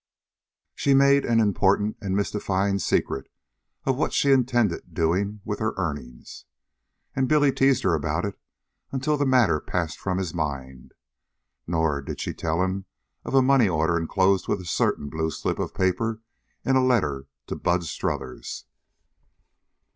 She made an important and mystifying secret of what she intended doing with her earnings, and Billy teased her about it until the matter passed from his mind. Nor did she tell him of a money order inclosed with a certain blue slip of paper in a letter to Bud Strothers.